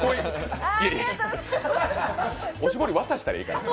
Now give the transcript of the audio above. おしぼり、渡したらいいから。